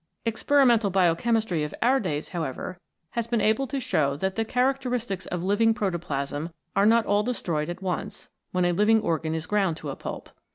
Ex perimental Biochemistry of our days, however, has been able to show that the characteristics of living protoplasm are not all destroyed at once, when a living organ is ground to a pulp.